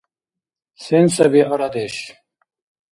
Сен саби арадеш?